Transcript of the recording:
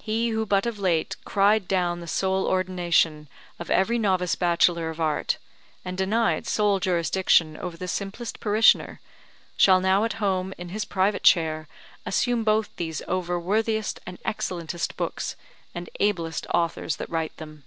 He who but of late cried down the sole ordination of every novice Bachelor of Art, and denied sole jurisdiction over the simplest parishioner, shall now at home in his private chair assume both these over worthiest and excellentest books and ablest authors that write them.